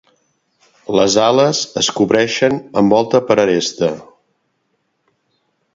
Les ales es cobreixen amb volta per aresta.